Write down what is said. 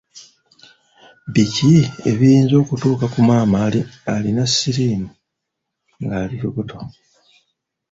Biki ebiyinza okutuuka ku maama alina siriimu ng’ali lubuto?